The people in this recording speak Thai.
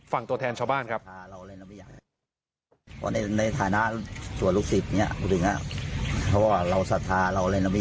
ตัวแทนชาวบ้านครับ